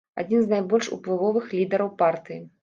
Адзін з найбольш уплывовых лідараў партыі.